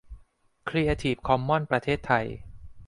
ครีเอทีฟคอมมอนส์ประเทศไทย